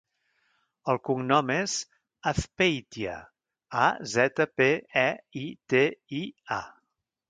El cognom és Azpeitia: a, zeta, pe, e, i, te, i, a.